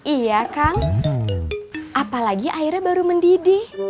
iya kang apalagi airnya baru mendidih